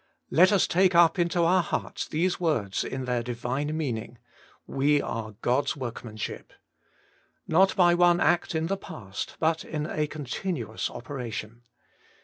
Let us take up into our hearts these words in' their Divine mean ing: We are God's workmanship. Not by one act in the past, but in a continuous operation.